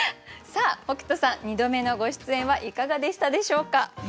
さあ北斗さん２度目のご出演はいかがでしたでしょうか？